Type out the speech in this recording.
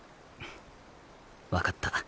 分かった。